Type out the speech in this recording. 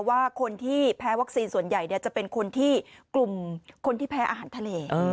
ว่าคนที่แพ้วัคซีนส่วนใหญ่จะเป็นคนที่แพ้อาหารทะเล